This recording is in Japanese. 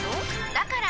だから！